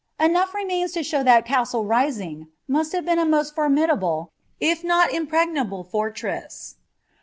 Enough remains to show thai Caatle Rinf must have been a most formidable, if not an impregnable, forlrtat.